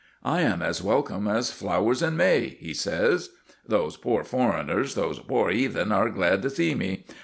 "I am as welcome as flowers in May," he says. "These pore foreigners, these pore 'eathen are glad to see me.